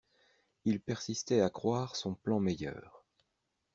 Il persistait à croire son plan meilleur.